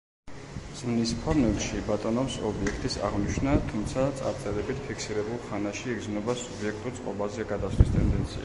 ზმნის ფორმებში ბატონობს ობიექტის აღნიშვნა, თუმცა წარწერებით ფიქსირებულ ხანაში იგრძნობა სუბიექტურ წყობაზე გადასვლის ტენდენცია.